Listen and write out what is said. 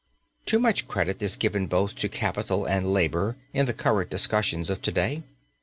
Too much credit is given both to capital and labour in the current discussions of to day.